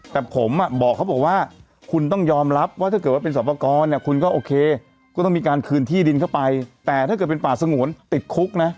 แต่ผมบอกเขาบอกว่าคุณต้องยอมรับว่าถ้าเกิดว่าเป็นสอบประกอบเนี่ยคุณก็โอเคก็ต้องมีการคืนที่ดินเข้าไปแต่ถ้าเกิดเป็นป่าสงวนติดคุกนะ